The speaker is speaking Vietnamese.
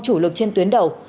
chủ lực trên tuyến đầu